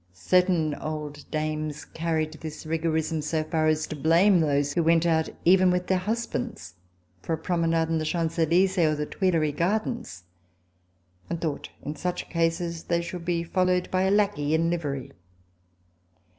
Certain old dames carried this rigorism so far as to blame those who went out even with their husbands for a promenade in the Champs Elysees or the Tuileries gardens, and thought in such cases they should be followed by a lackey in livery.